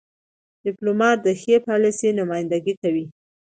. ډيپلومات د ښې پالیسۍ نمایندګي کوي.